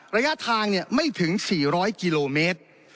ระยะทางไม่ถึง๔๐๐กิโลเมตร